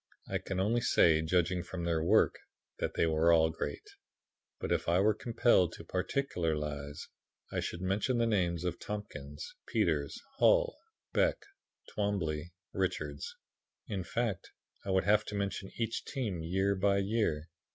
I can only say, judging from their work, that they were all great, but if I were compelled to particularize, I should mention the names of Tompkins, Peters, Hull, Beck, Twombly, Richards; in fact, I would have to mention each team year by year.